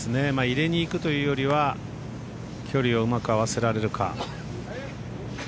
入れにいくというよりは距離をうまく合わせられるか。